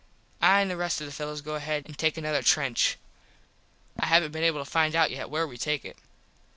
I an the rest of the fellos go ahead an take another trench. I havnt been able to find out yet where we take it.